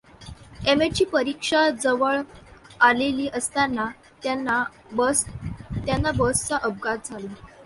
M. A. ची परीक्षा जवळ आलेली असताना त्यांना बसचा अपघात झाला.